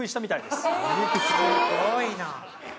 すごいな。